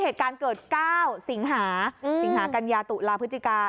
เหตุการณ์เกิดเกล้าสิงหากัญญาตุระพฤติกา